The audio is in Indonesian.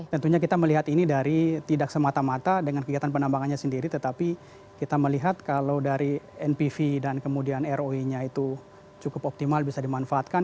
tentunya kita melihat ini dari tidak semata mata dengan kegiatan penambangannya sendiri tetapi kita melihat kalau dari npv dan kemudian roe nya itu cukup optimal bisa dimanfaatkan